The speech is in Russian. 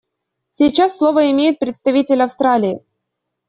Сейчас слово имеет представитель Австралии.